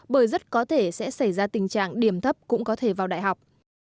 bởi rất có thể sẽ xảy ra tình trạng điểm thấp cũng có thể vào đại học